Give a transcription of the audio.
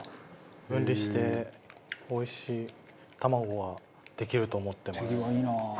分離しておいしい卵ができると思ってます。